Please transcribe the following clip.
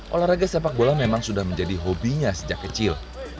olahraga sepak bola memang sudah menjadi hobinya sejak kecil